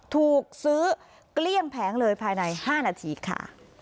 ถูกซื้อเกลี้ยงแผงเลยภายใน๕นาทีค่ะ